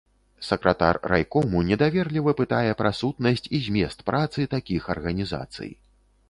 Сакратар райкому недаверліва пытае пра сутнасць і змест працы такіх арганізацый.